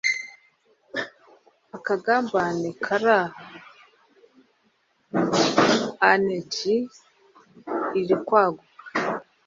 akagambane karaha a.n.g irikwaguka